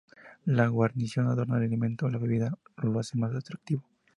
La guarnición adorna el alimento o la bebida y lo hace más atractivo.